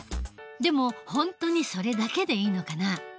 でも本当にそれだけでいいのかな？